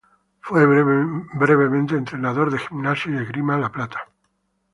Fue brevemente entrenador de Gimnasia y Esgrima La Plata.